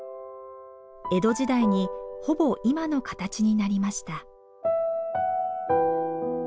江戸時代にほぼ今の形になりました。